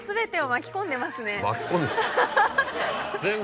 巻き込んでる。